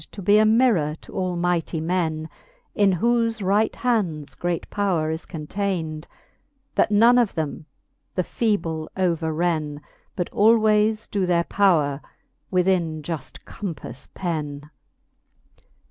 To be a mirrour to ail mighty men, In whofe right hands great power is contayned, That none of them the fe<?ble overren, But alwaies doe their po wre within juft compaiTc pen.